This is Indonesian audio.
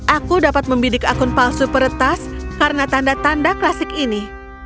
aku dapat membidik akun palsu peretas karena tanda tanda klasik ini